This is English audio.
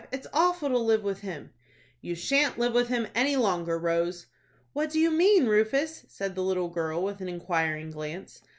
It's awful to live with him." "You shan't live with him any longer, Rose." "What do you mean, Rufus?" said the little girl, with an inquiring glance.